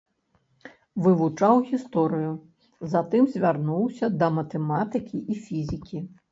Вывучаў гісторыю, затым звярнуўся да матэматыкі і фізікі.